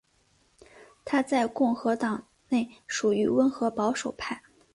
他在共和党内属于温和保守派。